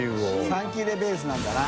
３切れベースなんだな。